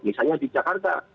misalnya di jakarta